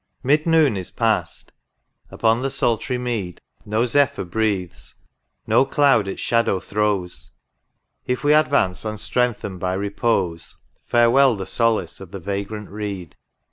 Mid noon is past ;— upon the sultry mead No zephyr breathes, no cloud its shadow throws: If we advance unstrengthen'd by repose, Farewell the solace of the vagrant reed.